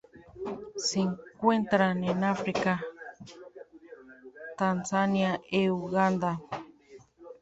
Se encuentran en África: Tanzania e Uganda.